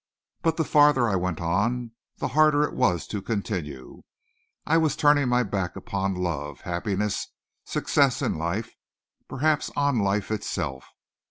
But the farther I went on, the harder it was to continue. I was turning my back upon love, happiness, success in life, perhaps on life itself.